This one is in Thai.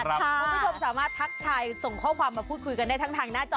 คุณผู้ชมสามารถทักทายส่งข้อความมาพูดคุยกันได้ทั้งทางหน้าจอ